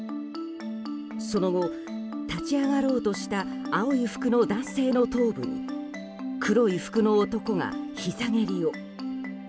その後、立ち上がろうとした青い服の男性の頭部に黒い服の男がひざ蹴りを。